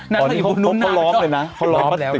อ๋อนี่เขาร้อมเลยนะ